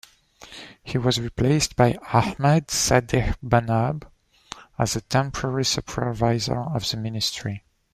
He was replaced by Ahmad Sadegh-Bonab, as the temporary supervisor of the Ministry.